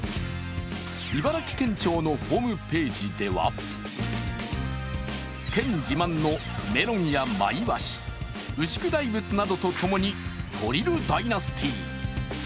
茨城県庁のホームページでは県自慢のメロンやマイワシ、牛久大仏などとともにトリル・ダイナスティ。